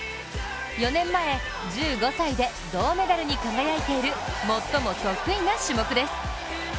４年前、１５歳で銅メダルに輝いている最も得意な種目です。